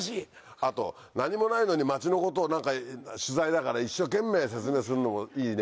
あと何もないのに町のことを取材だから一生懸命説明すんのもいいね。